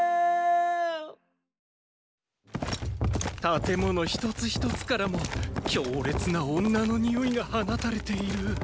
建物一つ一つからも強烈な女の匂いが放たれている。